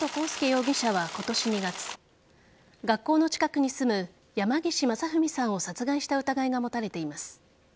容疑者は今年２月学校の近くに住む山岸正文さんを殺害した疑いが持たれています。